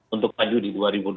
untuk maju di dua ribu dua puluh